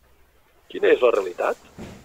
Quina és la realitat?